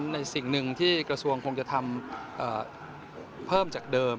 สิ่งหนึ่งที่กระทรวงคงจะทำเพิ่มจากเดิม